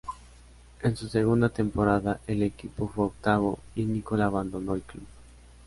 En su segunda temporada, el equipo fue octavo y Nicola abandonó el club.